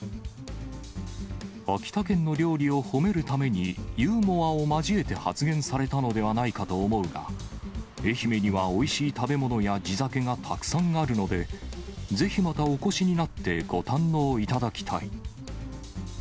秋田県の料理を褒めるために、ユーモアを交えて発言されたのではないかと思うが、愛媛にはおいしい食べ物や地酒がたくさんあるので、ぜひまたお越しになってご堪能いただきたい。